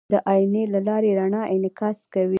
د آیینې له لارې رڼا انعکاس کوي.